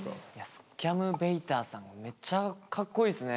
スキャムベイターさんめっちゃカッコいいっすね